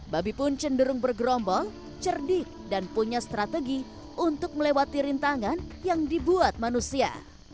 babi pun cenderung bergerombol cerdik dan punya strategi untuk melewati rintangan yang dibuat manusia